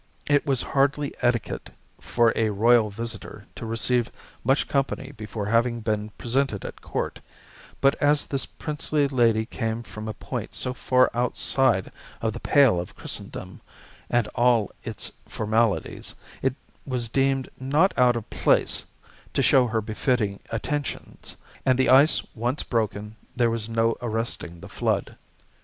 It was hardly etiquette for a royal visitor to receive much company before having been presented at Court; but as this princely lady came from a point so far outside of the pale of Christendom, and all its formalities, it was deemed not out of place, to show her befitting attentions; and the ice once broken, there was no arresting the flood.